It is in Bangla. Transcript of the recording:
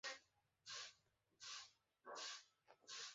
আমরা যে জগতে প্রেরিত হইয়াছি, সেজন্য আমরা ধন্য।